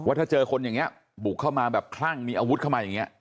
ถ้าเจอคนอย่างนี้บุกเข้ามาแบบคลั่งมีอาวุธเข้ามาอย่างนี้